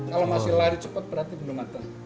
kalau masih lari cepat berarti belum ada